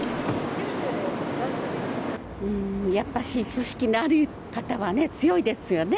やっぱし、知識のある方は強いですよね。